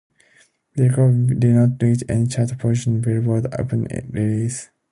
The record did not reach any chart positions on "Billboard" upon its release.